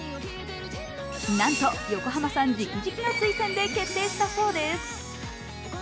なんと横浜さん直々の推薦で決定したそうです。